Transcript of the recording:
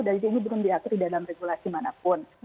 dan ini belum diatur di dalam regulasi manapun